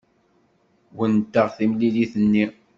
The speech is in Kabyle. Wennteɣ timlilit-nni.